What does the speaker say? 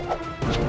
aku akan buktikan